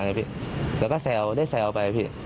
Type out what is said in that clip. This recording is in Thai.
แล้วก็ได้แซวไป